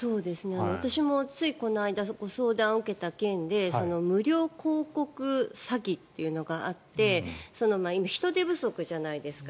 私もついこの間、ご相談を受けた件で無料広告詐欺というのがあって今、人手不足じゃないですか。